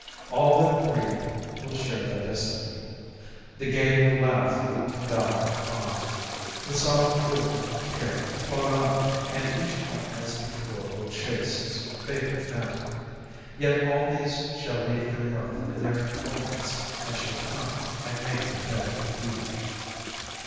All that breathe Will share thy destiny. The gay will laugh When thou art gone, the solemn brood of care Plod on, and each one as before will chase His favorite phantom; yet all these shall leave Their mirth and their employments, and shall come And make their bed with thee.